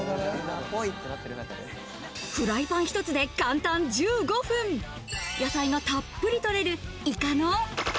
フライパン１つで簡単１５分、野菜がたっぷりとれるイカの。